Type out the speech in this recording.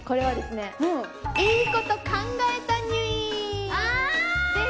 いいこと考えたにゅいです。